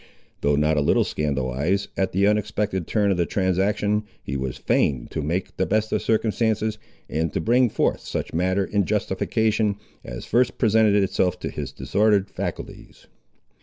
Though not a little scandalised, at the unexpected turn of the transaction, he was fain to make the best of circumstances, and to bring forth such matter in justification, as first presented itself to his disordered faculties.